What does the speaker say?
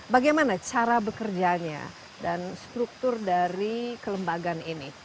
bagaimana cara bekerjanya dan struktur dari kelembagaan ini